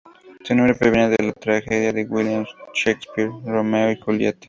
Su nombre proviene de la tragedia de William Shakespeare, "Romeo y Julieta.